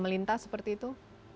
melintas seperti itu